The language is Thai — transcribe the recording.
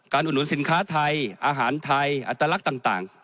อุดหนุนสินค้าไทยอาหารไทยอัตลักษณ์ต่าง